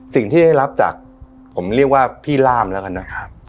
สิ่งที่ได้รับจากผมเรียกว่าพี่ล่ามแล้วกันนะครับ